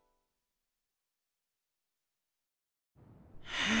はあ。